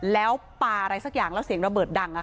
แล้วปลาอะไรสักอย่างแล้วเสียงระเบิดดัง